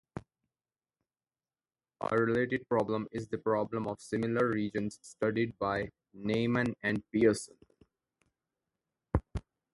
A related problem is the problem of similar regions studied by Neyman and Pearson.